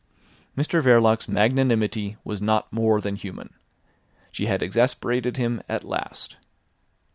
Mr Verloc's magnanimity was not more than human. She had exasperated him at last.